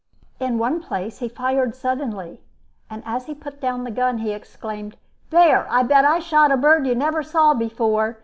In one place he fired suddenly, and as he put down the gun he exclaimed, "There! I'll bet I've shot a bird you never saw before.